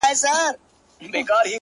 لكه اوبه چي دېوال ووهي ويده سمه زه-